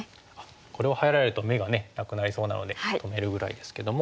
これを入られると眼がなくなりそうなので止めるぐらいですけども。